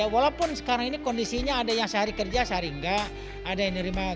walaupun sekarang ini kondisinya ada yang sehari kerja sehari enggak